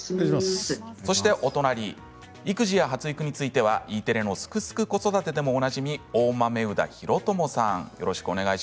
そしてお隣育児や発育についてＥテレの「すくすく子育て」でもおなじみ大豆生田啓友さん。